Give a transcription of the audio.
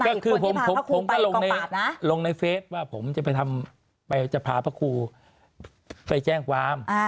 ก็คือผมก็ลงในเฟสว่าผมจะไปจะพาพระครูไปแจ้งความ